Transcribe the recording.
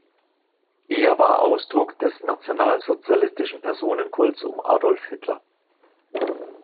Er war Ausdruck des nationalsozialistischen Personenkults um Adolf Hitler.